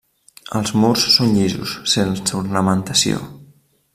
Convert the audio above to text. Els murs són llisos, sense ornamentació.